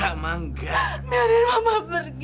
biarin mama pergi nabi biarin mama pergi